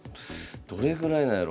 どれぐらいなんやろ？